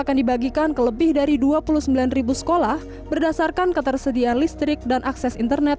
akan dibagikan ke lebih dari dua puluh sembilan sekolah berdasarkan ketersediaan listrik dan akses internet